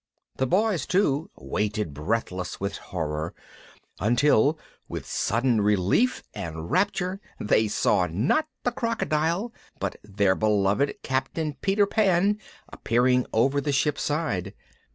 The Boys, too, waited breathless with horror, until with sudden relief and rapture they saw not the crocodile but their beloved captain Peter Pan appearing over the ship's side.